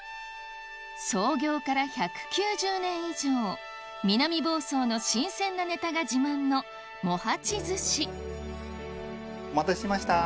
創業から１９０年以上南房総の新鮮なネタが自慢のお待たせしました。